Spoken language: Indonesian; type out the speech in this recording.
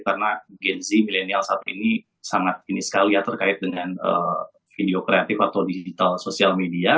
karena gen z milenial saat ini sangat ini sekali ya terkait dengan video kreatif atau digital sosial media